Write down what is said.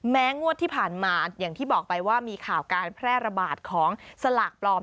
งวดที่ผ่านมาอย่างที่บอกไปว่ามีข่าวการแพร่ระบาดของสลากปลอม